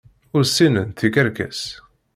Ur sinnent tikerkas.